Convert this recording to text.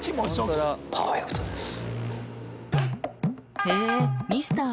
パーフェクトです。